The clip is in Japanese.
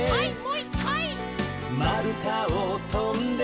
「まるたをとんで」